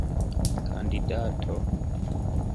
kandidato